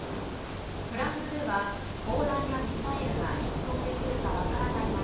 フランス２は、砲弾やミサイルがいつ飛んでくるか分からないまま